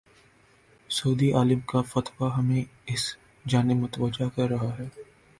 سعودی عالم کا فتوی ہمیں اس جانب متوجہ کر رہا ہے۔